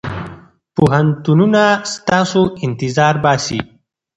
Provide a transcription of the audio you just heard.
پوهنتونونه ستاسو انتظار باسي.